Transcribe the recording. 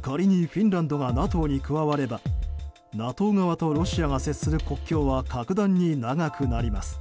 仮に、フィンランドがＮＡＴＯに加わればＮＡＴＯ側とロシアが接する国境は格段に長くなります。